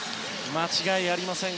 間違いありません。